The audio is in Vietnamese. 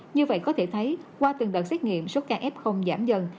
như vậy có thể thấy qua từng đợt xét nghiệm số ca f giảm dần